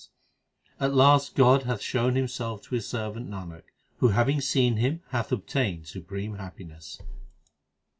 HYMNS OF GURU ARJAN 283 At last God hath shown Himself to His servant, Nanak, Who having seen Him hath obtained supreme happiness.